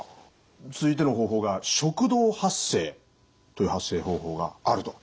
続いての方法が食道発声という発声方法があると。